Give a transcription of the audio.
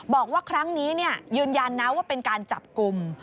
บอกว่าครั้งนี้ยืนยันนะว่าเป็นการจับกลุ่ม